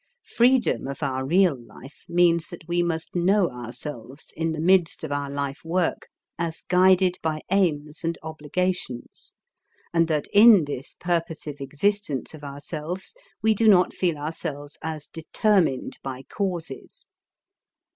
Freedom of our real life means that we must know ourselves in the midst of our life work as guided by aims and obligations, and that in this purposive existence of ourselves we do not feel ourselves as determined by causes.